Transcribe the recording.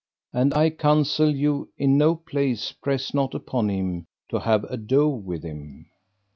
And I counsel you in no place press not upon him to have ado with him.